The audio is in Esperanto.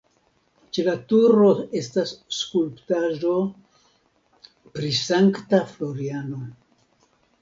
Ĉe la turo estas skulptaĵo pri Sankta Floriano.